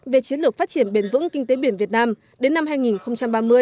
về chiến lược phát triển bền vững kinh tế biển việt nam đến năm hai nghìn ba mươi